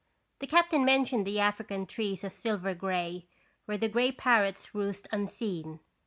The captain mentioned the African trees of silver gray, where the gray parrots roost unseen.